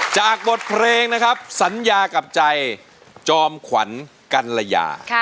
จากบทเพลงสัญญากับใจจอมควันกันละหย่า